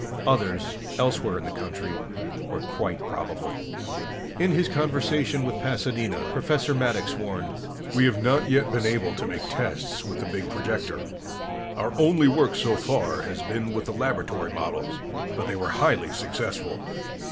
Others, elsewhere in the country, were quite probable. In his conversation with Pasadena, Professor Maddox warned, "We have not yet been able to make tests with the big projector. Our only work so far has been with the laboratory models, but they were highly successful."